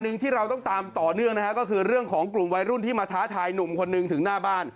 หนึ่งที่เราต้องตามต่อเนื่องนะฮะก็คือเรื่องของกลุ่มวัยรุ่นที่มาท้าทายหนุ่มคนนึงถึงหน้าบ้าน